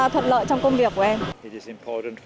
thuận lợi trong công việc của em